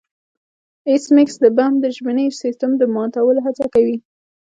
ایس میکس د بم د ژبني سیستم د ماتولو هڅه کوي